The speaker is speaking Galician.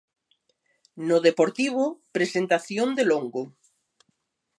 No Deportivo, presentación de Longo.